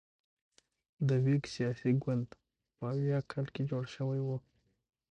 د ویګ سیاسي ګوند په اویا کال کې جوړ شوی و.